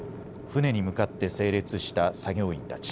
船に向かって整列した作業員たち。